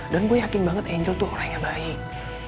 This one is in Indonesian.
dan gue yakin banget angel tuh orang yang baik